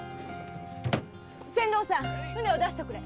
船頭さん舟を出しておくれ。